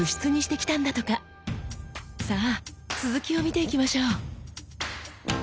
さあ続きを見ていきましょう。